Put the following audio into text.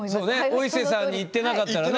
お伊勢さんに行ってなかったらね。